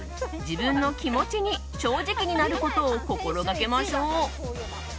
自分の気持ちに正直になることを心がけましょう。